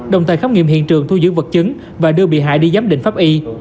đồng thời khám nghiệm hiện trường thu giữ vật chứng và đưa bị hại đi giám định pháp y